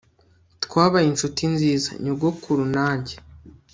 twabaye inshuti nziza, nyogokuru na njye